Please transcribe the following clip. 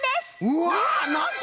うわなんと！